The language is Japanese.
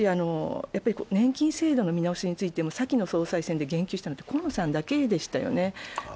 年金制度の見直しについてもさきの総裁選で言及したのは河野さんだけでしたよね。